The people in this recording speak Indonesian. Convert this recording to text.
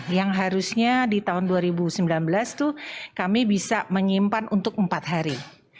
yang harusnya di tahun dua ribu sembilan belas itu kami bisa menyimpan untuk empat hari